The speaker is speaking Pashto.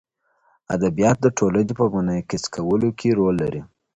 ادبیات د ټولنې په منعکس کولو کې رول لري.